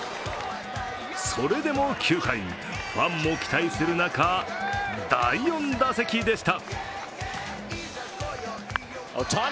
それでも９回、ファンも期待する中、第４打席でした。